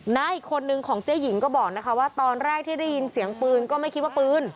หน้าอีกคนนึงของเจ๊หญิงก็บอกนะคะว่าตอนแรกที่ได้ยินเสียงปืนก็ไม่คิดว่าปืน